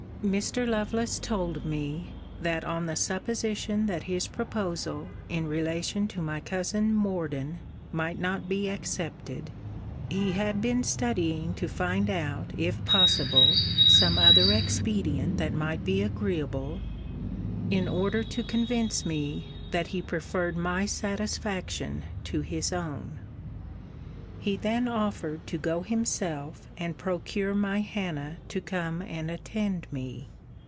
] Mr. Lovelace told me, that on the supposition that his proposal in relation to my cousin Morden might not be accepted, he had been studying to find out, if possible, some other expedient that might be agreeable, in order to convince me, that he preferred my satisfaction to his own. He then offered to go himself, and procure my Hannah to come and attend me.